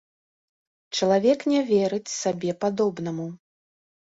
Чалавек не верыць сабе падобнаму.